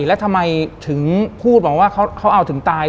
แล้วทำไมถึงพูดบอกว่าเขาเอาถึงตาย